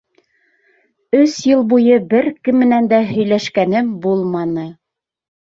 Өс йыл буйы бер кем менән дә һөйләшкәнем булманы.